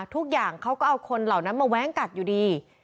ทุกอย่างเขาก็เอาคนเหล่านั้นมาแว้งกัดอยู่ดี